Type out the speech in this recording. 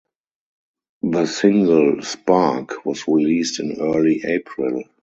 The single "Spark" was released in early April.